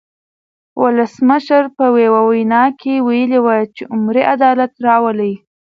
ولسمشر په یوه وینا کې ویلي وو چې عمري عدالت راولي.